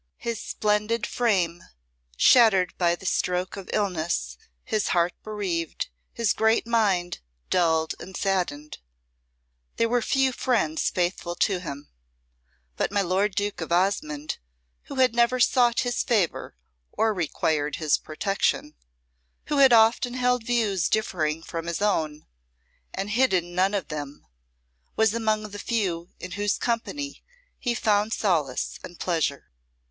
His splendid frame shattered by the stroke of illness, his heart bereaved, his great mind dulled and saddened, there were few friends faithful to him, but my Lord Duke of Osmonde, who had never sought his favour or required his protection, who had often held views differing from his own and hidden none of them, was among the few in whose company he found solace and pleasure.